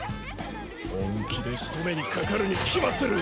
本気で仕留めにかかるに決まってる。